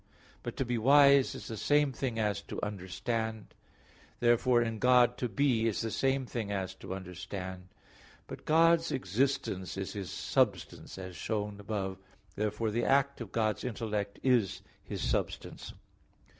But to be wise is the same thing as to understand. Therefore in God to be is the same thing as to understand. But God's existence is His substance, as shown above (Q. 3, A. 4). Therefore the act of God's intellect is His substance.